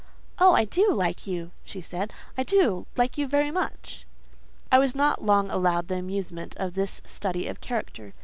"Oh! I do like you," said she; "I do like you very much." I was not long allowed the amusement of this study of character.